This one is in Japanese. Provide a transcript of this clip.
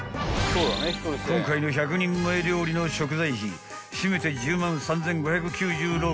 ［今回の１００人前料理の食材費しめて１０万３，５９６円］